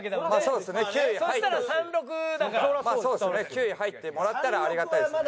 ９位入ってもらったらありがたいですね。